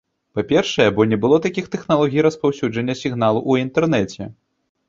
Па-першае, бо не было такіх тэхналогій распаўсюджання сігналу ў інтэрнэце.